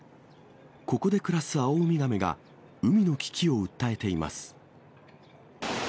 ここで暮らすアオウミガメが、海の危機を訴えています。